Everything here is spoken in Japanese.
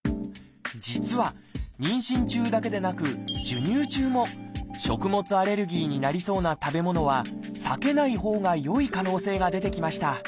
実は妊娠中だけでなく授乳中も食物アレルギーになりそうな食べ物は避けないほうがよい可能性が出てきました。